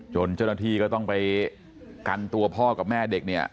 เจ้าหน้าที่ก็ต้องไปกันตัวพ่อกับแม่เด็กเนี่ย